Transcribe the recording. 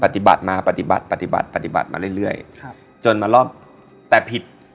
ปฏิบัติมาปฏิบัติปฏิบัติปฏิบัติปฏิบัติมาเรื่อยครับจนมารอบแต่ผิด